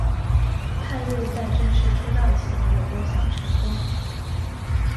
派瑞在正式出道前有过小成功。